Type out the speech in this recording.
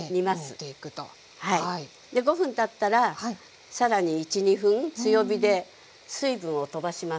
煮ていくと。で５分たったら更に１２分強火で水分を飛ばします。